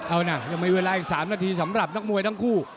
เอานะยังมีเวลาอีก๓นาทีสำหรับนักมวยทั้งคู่